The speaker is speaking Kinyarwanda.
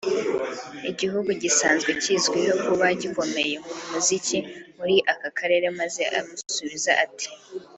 igihugu gisanzwe kizwiho kuba gikomeye mu muziki muri aka karere maze amusubiza ati